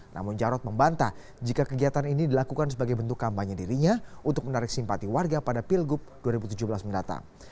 namun jarod membantah jika kegiatan ini dilakukan sebagai bentuk kampanye dirinya untuk menarik simpati warga pada pilgub dua ribu tujuh belas mendatang